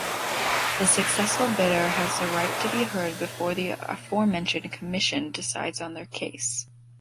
The successful bidder has the right to be heard before the aforementioned Commission decides on their case.